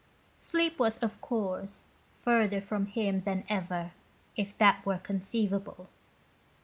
Sleep was, of course, further from him than ever, if that were conceivable.